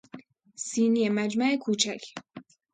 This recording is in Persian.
سینی مجمع کوچک